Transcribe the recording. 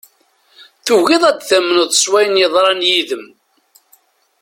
Tugiḍ ad tamneḍ s wayen yeḍran yid-m.